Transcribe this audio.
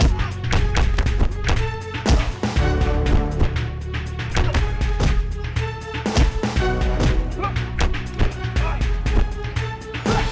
mari kita balik yuk